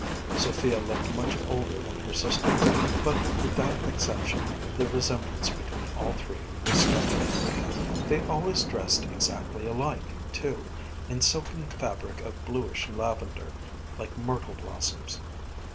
Sophia looked much older than her sisters, but with that exception the resemblance between all three was startling. They always dressed exactly alike, too, in silken fabric of bluish lavender, like myrtle blossoms.